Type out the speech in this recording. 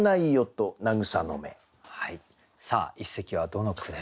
さあ一席はどの句でしょうか。